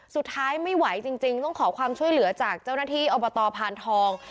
สุดท้ายไม่ไหวจริงต้องขอความช่วยเหลือจากเจ้าหน้าที่อบตพานทอง